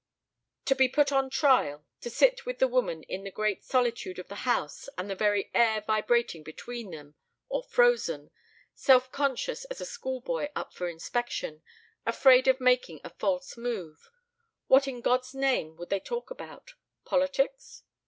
To be put on trial ... to sit with the woman in the great solitude of the house and the very air vibrating between them ... or frozen ... self conscious as a schoolboy up for inspection ... afraid of making a false move. ... What in God's name would they talk about? Politics?